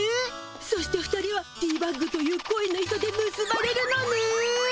そして２人はティーバッグという恋の糸でむすばれるのね。